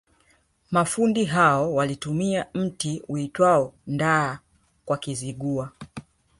Mafundi hao walitumia mti uitwao ndaa Kwa Kizigua